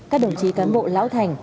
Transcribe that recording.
các đồng chí cán bộ lão thành